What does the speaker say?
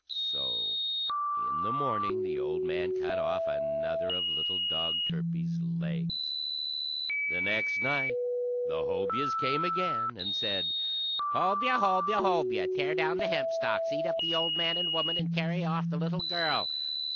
So in the morning the old man cut off another of little dog Turpie's legs. The next night the Hobyahs came again, and said, "Hobyah! Hobyah! Hobyah! Tear down the hempstalks, eat up the old man and woman, and carry off the little girl!"